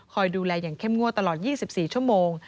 ดูแลอย่างเข้มงวดตลอด๒๔ชั่วโมง